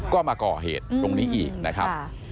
ก็มาก่อเหตุตรงนี้อีกนะครับ